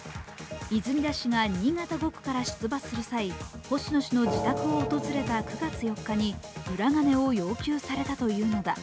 泉田氏が新潟５区から出馬する際星野氏の自宅を訪れた９月４日に裏金を要求されたというのだ。